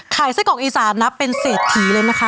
ไข่ซ่ายเกราะอีสานนับเป็นเศสถีเลยนะคะ